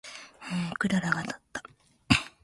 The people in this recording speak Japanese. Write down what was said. クララがたった。